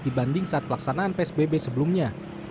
dibanding saat pelaksanaan psbb sebelumnya